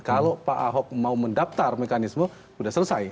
kalau pak ahok mau mendaftar mekanisme sudah selesai